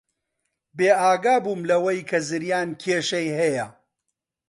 بێئاگا بووم لەوەی کە زریان کێشەی هەیە.